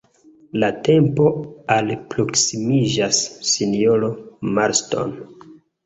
La tempo alproksimiĝas, sinjoro Marston.